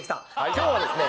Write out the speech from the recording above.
今日はですね